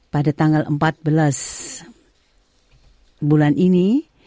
pada tanggal empat belas bulan ini